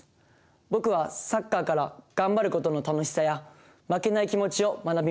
僕はサッカーから頑張る事の楽しさや負けない気持ちを学びました。